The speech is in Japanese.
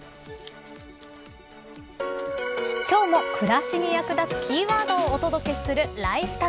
今日も暮らしに役立つキーワードをお届けするＬｉｆｅＴａｇ。